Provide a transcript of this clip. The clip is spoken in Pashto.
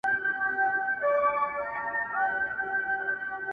چي ګلاب یې د ګلدان په غېږ کي و غوړېږي ځوان سي,